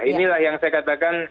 inilah yang saya katakan